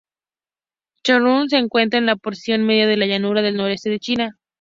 Changchun se encuentra en la porción media de la llanura del noreste de China.